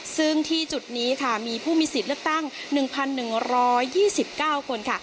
ซึ่งที่จุดนี้ค่ะมีผู้มีสิทธิ์เลือกตั้ง๑๑๒๙คนค่ะ